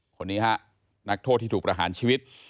คนนี้ฮะนักโทษที่ถูกประหารชีวิต